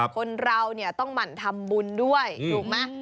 คนเราเนี่ยต้องหมั่นทำบุญด้วยถูกไหม